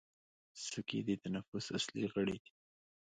سږي د تنفس اصلي غړي دي